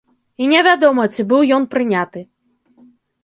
І невядома, ці быў ён прыняты.